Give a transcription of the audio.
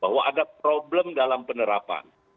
bahwa ada problem dalam penerapan